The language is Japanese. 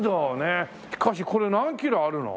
しかしこれ何キロあるの？